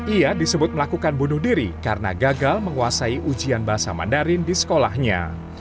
ia disebut melakukan bunuh diri karena gagal menguasai ujian bahasa mandarin di sekolahnya